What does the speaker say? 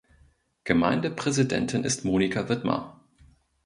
Gemeindepräsidentin ist Monika Widmer.